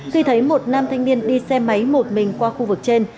khi thấy một nam thanh niên đi xe máy một mình qua khu vực trên